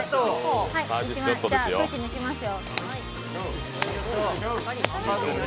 じゃあ、空気抜きますよ。